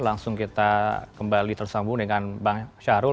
langsung kita kembali tersambung dengan bang syahrul